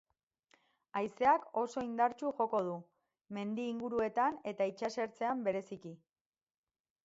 Haizeak oso indartsu joko du, mendi inguruetan eta itsasertzean bereziki.